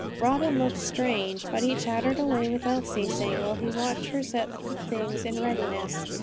Robin looked strange, but he chattered away without ceasing, while he watched her set the things in readiness.